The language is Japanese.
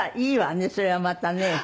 いいわねそれはまたね。